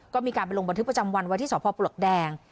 ก็มีการไปลงบันทึกประจำวันไว้ที่สพปลวกแดง